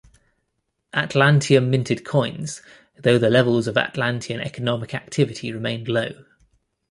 Atlantium minted coins, though the levels of Atlantian economic activity remained low.